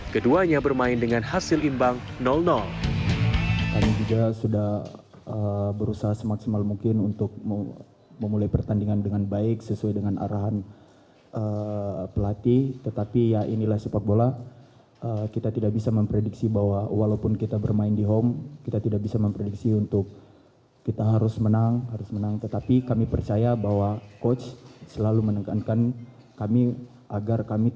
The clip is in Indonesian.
keduanya bermain dengan hasil imbang